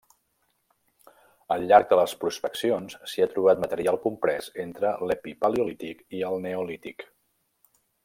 Al llarg de les prospeccions si ha trobat material comprès entre l'epipaleolític i el Neolític.